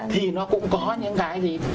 thì nó cũng có những cái gì